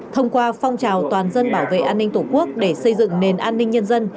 thông qua phong trào toàn dân bảo vệ an ninh tổ quốc để xây dựng nền an ninh nhân dân